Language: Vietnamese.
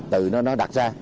từ nó đặt ra